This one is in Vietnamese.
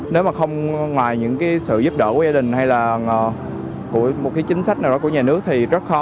nếu mà không ngoài những cái sự giúp đỡ của gia đình hay là của một cái chính sách nào đó của nhà nước thì rất khó